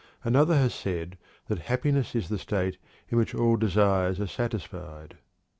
Another has said that "happiness is the state in which all desires are satisfied."